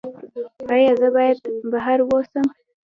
ایا زه باید بهر اوسم؟